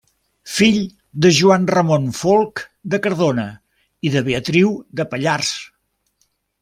Fill de Joan Ramon Folc de Cardona i de Beatriu de Pallars.